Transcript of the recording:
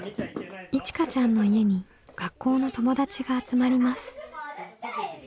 いちかちゃんの家に学校の友達が集まります。